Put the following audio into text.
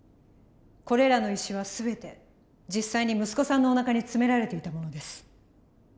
これらの石は全て実際に息子さんのおなかに詰められていたものです。